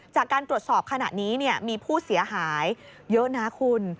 จากการตรวจสอบขณะนี้มีผู้เสียหายเยอะนะคุณ